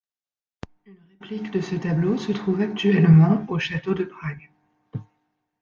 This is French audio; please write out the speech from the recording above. Une réplique de ce tableau se trouve actuellement au château de Prague.